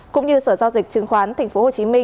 cũng như sở giao dịch chứng khoán tp hcm